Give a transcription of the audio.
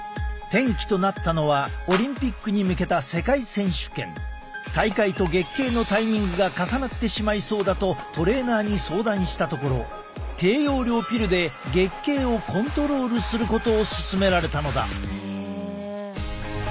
転機となったのは大会と月経のタイミングが重なってしまいそうだとトレーナーに相談したところ低用量ピルで月経をコントロールすることを勧められたのだ。